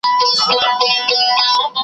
په غبرګو سترګو چي ساقي وینم مینا ووینم .